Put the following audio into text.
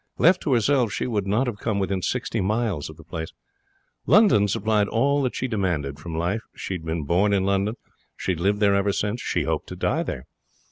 Left to herself, she would not have come within sixty miles of the place. London supplied all that she demanded from life. She had been born in London; she had lived there ever since she hoped to die there.